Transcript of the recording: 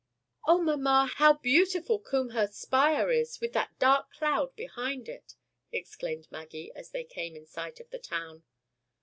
"Oh, mamma! how beautiful Combehurst spire is, with that dark cloud behind it!" exclaimed Maggie, as they came in sight of the town.